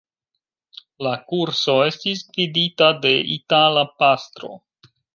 La kurso estis gvidita de itala pastro.